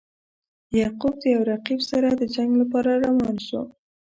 یعقوب د یو رقیب سره د جنګ لپاره روان شو.